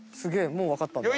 もう分かったんだ。